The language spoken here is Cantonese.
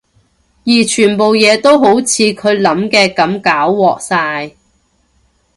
而全部嘢都好似佢諗嘅噉搞禍晒